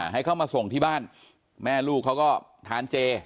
ให้เขามาส่งที่บ้านแม่ลูกเขาก็ทานเจ